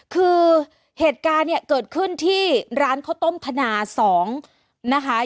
คือเหตุการณ์เกิดขึ้นที่ร้านข้าวต้มถนา๒